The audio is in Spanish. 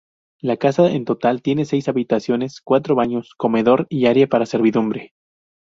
La casa en total tiene seis habitaciones, cuatro baños, comedor y área para servidumbre.